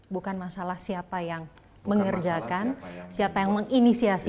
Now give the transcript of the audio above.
bukan masalah siapa yang mengerjakan siapa yang menginisiasi